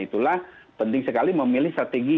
itulah penting sekali memilih strategi